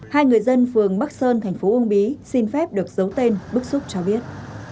hai người dân phường bắc sơn thành phố uông bí xin phép được giấu tên bức xúc cho biết